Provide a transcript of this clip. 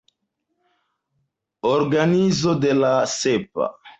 Organizo de la Sepa.